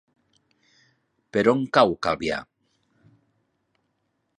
Per on cau Calvià?